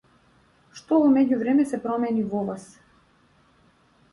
Што во меѓувреме се промени во вас?